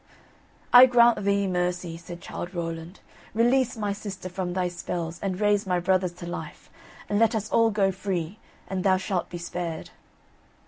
"I grant thee mercy," said Childe Rowland, "release my sister from thy spells and raise my brothers to life, and let us all go free, and thou shalt be spared."